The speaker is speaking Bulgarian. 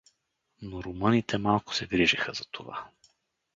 Но румъните малко се грижеха за това.